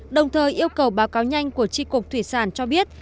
đồng thời yêu cầu báo cáo nhanh của tri cục thủy sản cho biết